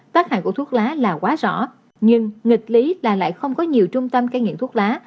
tác hại của thuốc lá là quá rõ nhưng nghịch lý là lại không có nhiều trung tâm ca nghiện thuốc lá